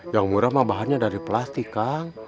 yang murah mah bahannya dari plastik kan